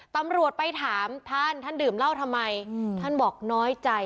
ตำรวจไปถามท่านท่านดื่มเหล้าทำไมท่านบอกน้อยใจ